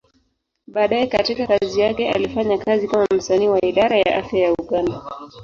Baadaye katika kazi yake, alifanya kazi kama msanii wa Idara ya Afya ya Uganda.